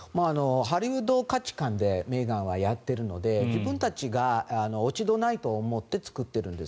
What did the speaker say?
ハリウッド価値観でメーガンはやっているので自分たちが落ち度ないと思って作ってるんです。